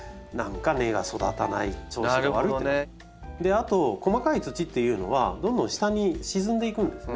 あと細かい土っていうのはどんどん下に沈んでいくんですね。